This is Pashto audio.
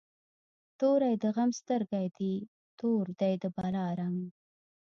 توری د غم سترګی دي، تور دی د بلا رنګ